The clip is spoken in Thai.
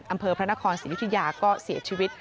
อำเภอพระนครศรียุธยาก็เสียชีวิต